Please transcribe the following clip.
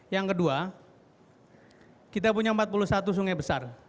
yang kedua kita punya empat puluh satu sungai besar